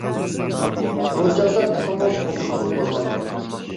بۇ چاغدا تېخىمۇ قوبۇل قىلغىلى بولمايدۇ.